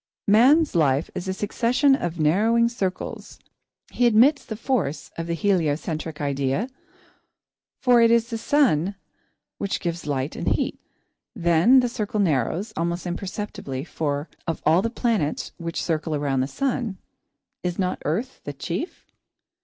[Sidenote: Narrowing Circles] Man's life is a succession of narrowing circles. He admits the force of the heliocentric idea, for it is the sun which gives light and heat. Then the circle narrows, almost imperceptibly, for, of all the planets which circle around the sun, is not Earth the chief?